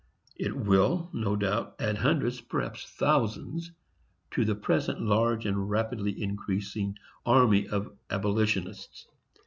It will, no doubt, add hundreds, perhaps thousands, to the present large and rapidly increasing army of abolitionists.